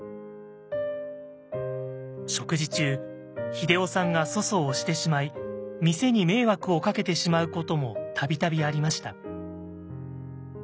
食事中英夫さんが粗相をしてしまい店に迷惑をかけてしまうことも度々ありました。